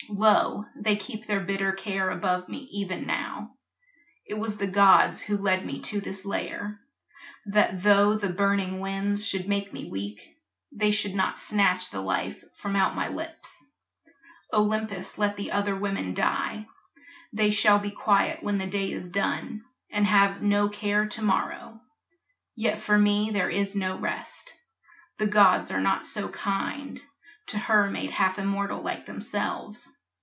Lo, they keep Their bitter care above me even now. It was the gods who led me to this lair, That tho' the burning winds should make me weak, They should not snatch the life from out my lips. Olympus let the other women die; They shall be quiet when the day is done And have no care to morrow. Yet for me There is no rest. The gods are not so kind To her made half immortal like themselves.